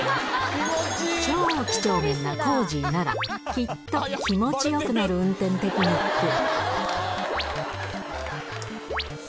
超几帳面なコージーなら、きっと気持ちよくなる運転テクニック。